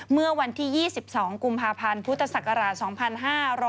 เมื่อวันที่๒๒กุมภาพันธ์พุทธศักราช๒๕๕๙